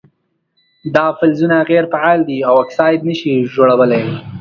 دا فلزونه غیر فعال دي او اکساید نه شي جوړولی.